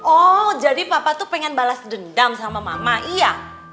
oh jadi papa tuh pengen balas dendam sama mama iya